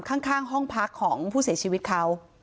ข้างห้องพักของผู้เสียชีวิตเขา